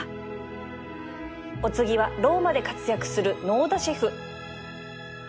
お次はローマで活躍する能田シェフ